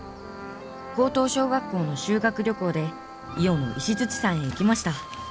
高等小学校の修学旅行で伊予の石山へ行きました。